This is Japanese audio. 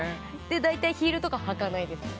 大体ヒールとか履かないです。